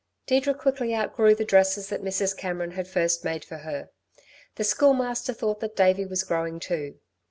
Deirdre quickly outgrew the dresses that Mrs. Cameron had first made for her. The Schoolmaster thought that Davey was growing too.